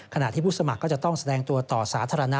ที่ผู้สมัครก็จะต้องแสดงตัวต่อสาธารณะ